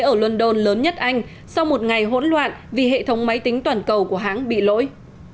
ở london lớn nhất anh sau một ngày hỗn loạn vì hệ thống máy tính toàn cầu của hãng bị lỗi